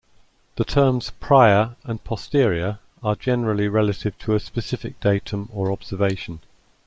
The terms "prior" and "posterior" are generally relative to a specific datum or observation.